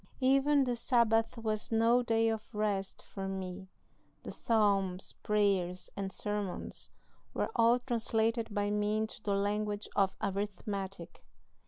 Even the Sabbath was no day of rest for me the psalms, prayers, and sermons were all translated by me into the language of arithmetic.